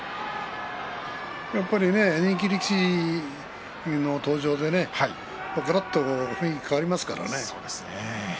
やはり人気力士の登場で、がらっと雰囲気が変わりますよね。